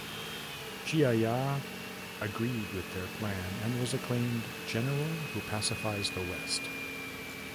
Jia Ya agreed with their plan and was acclaimed General Who Pacifies the West.